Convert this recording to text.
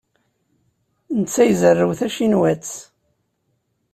Netta izerrew tacinwat.